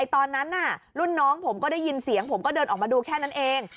ตอนนั้นรุ่นน้องผมก็ได้ยินเสียงผมก็เดินออกมาดูแค่นั้นเอง